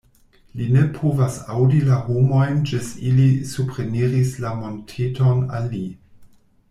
Li ne povas aŭdi la homojn ĝis ili supreniris la monteton al li.